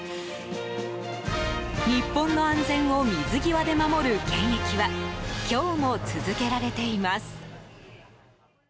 日本の安全を水際で守る検疫は今日も続けられています。